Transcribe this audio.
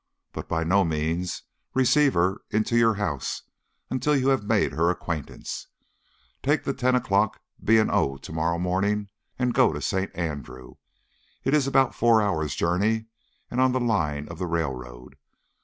But by no means receive her into your house until you have made her acquaintance. Take the ten o'clock B. & O. to morrow morning and go to St. Andrew; it is about four hours' journey and on the line of the railroad.